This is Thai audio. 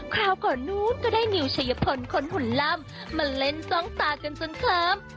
คราวก่อนนู้นก็ได้นิวชัยพลคนหุ่นล่ำมาเล่นซ่องตากันจนเคลิ้ม